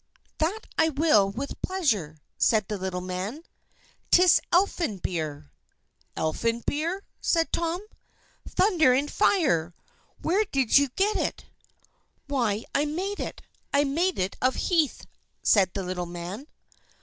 "That I will, with pleasure," said the little man. "'Tis Elfin beer." "Elfin beer!" said Tom. "Thunder and fire! Where did you get it?" "Why I made it I made it of heath," said the little man.